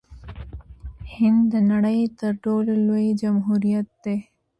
هند د نړۍ تر ټولو لوی جمهوریت دی.